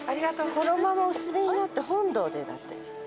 このままお進みになって本堂でだって。